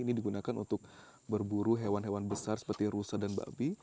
ini digunakan untuk berburu hewan hewan besar seperti rusa dan babi